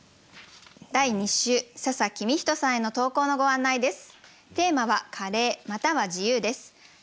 第２週笹公人さんへの投稿のご案内です。